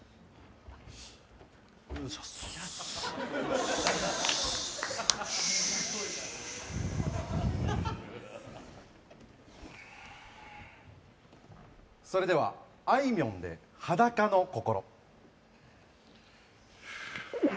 しゃすそれではあいみょんで「裸の心」。